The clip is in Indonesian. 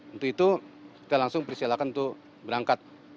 untuk itu kita langsung persilahkan untuk berangkat